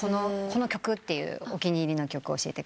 この曲っていうお気に入りの曲教えてください。